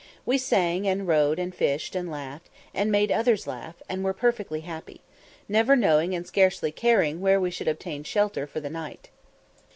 We sang, and rowed, and fished, and laughed, and made others laugh, and were perfectly happy, never knowing and scarcely caring where we should obtain shelter for the night.